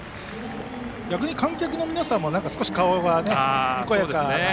逆に観客の皆さんも顔がにこやかな